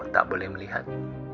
tak boleh melihat